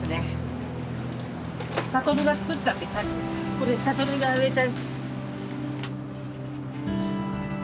これ聖が植えた。